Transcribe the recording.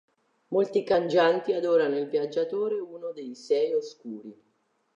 Molti cangianti adorano il Viaggiatore, uno dei Sei Oscuri.